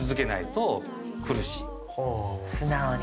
素直に。